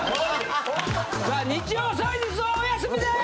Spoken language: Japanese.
さあ日曜・祭日はお休みです！